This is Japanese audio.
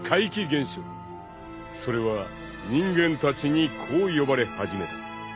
［それは人間たちにこう呼ばれ始めた］